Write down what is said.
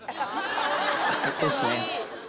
最高っすね。